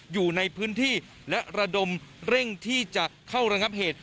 อยู่ในพื้นที่และระดมเร่งที่จะเข้าระงับเหตุ